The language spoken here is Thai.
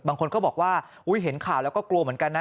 บางคนก็บอกว่าเห็นข่าวแล้วก็กลัวเหมือนกันนะ